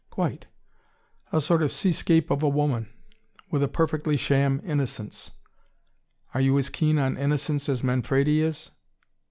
"Quite! A sort of sea scape of a woman. With a perfectly sham innocence. Are you as keen on innocence as Manfredi is?"